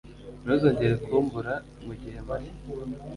Ntuzongere kumbura mu gihe mpari.